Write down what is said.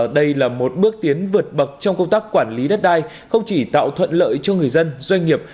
đây là một bước tiến vượt bậc trong công tác quản lý đất đai không chỉ tạo thuận lợi cho người dân doanh nghiệp